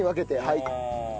はい。